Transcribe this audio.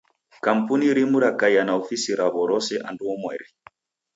Kampuni rimu rakaia na ofisi raw'o rose anduamweri.